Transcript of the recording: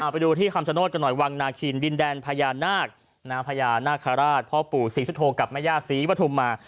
เอาไปดูที่คำสะโน้ตกันหน่อยวังนาคีนบินแดนพญานาคพญานาคฮราชพ่อปู่ศิษฐโธกับแม่ย่าศรีวัฒุมา